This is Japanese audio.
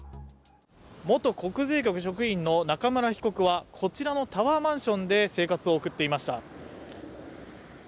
元国税局職員の中村被告はこちらのタワーマンションで生活を送っていました。